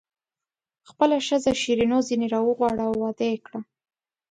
خپله ښځه شیرینو ځنې راوغواړه او واده یې کړه.